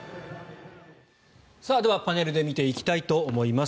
ではパネルで見ていきたいと思います。